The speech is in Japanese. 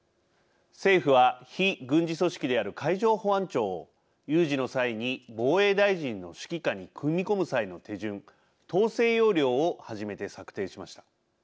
政府は非軍事組織である海上保安庁を有事の際に防衛大臣の指揮下に組み込む際の手順統制要領を初めて策定しました。